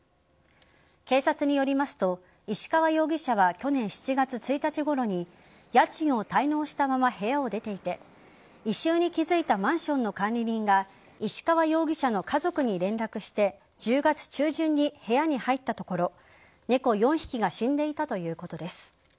警察によりますと石川容疑者は去年７月１日ごろに家賃を滞納したまま部屋を出ていて異臭に気付いたマンションの管理人が石川容疑者の家族に連絡して１０月中旬に部屋に入ったところ猫４匹が死んでいたということです。